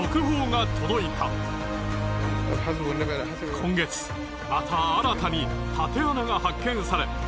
今月また新たに竪穴が発見され